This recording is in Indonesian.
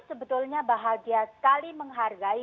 sebetulnya bahagia sekali menghargai